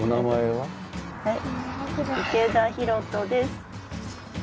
はい。